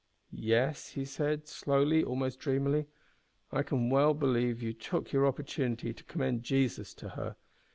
"Yes," he said, slowly, almost dreamily, "I can well believe you took your opportunity to commend Jesus to her.